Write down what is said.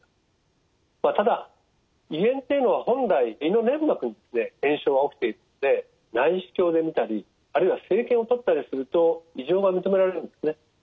ただ胃炎っていうのは本来胃の粘膜で炎症が起きているので内視鏡でみたりあるいは生検をとったりすると異常が認められるんですね。